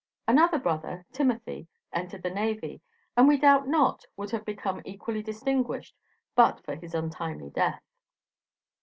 Another brother, Timothy, entered the navy, and we doubt not would have become equally distinguished but for his untimely death.